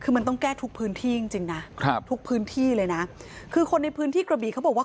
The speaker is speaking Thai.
มันต้องแก้ทุกพื้นที่จริงนะคือคนในพื้นที่กระบีเค้าบอกว่า